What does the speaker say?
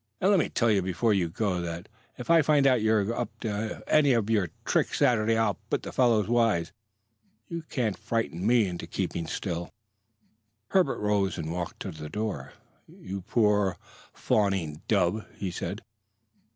And let me tell you before you go that if I find out you're up to any of your tricks Saturday I'll put the fellows wise. You can't frighten me into keeping still." Herbert rose and walked to the door. "You poor, fawning dub!" he said.